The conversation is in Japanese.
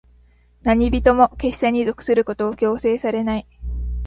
何人も、結社に属することを強制されない。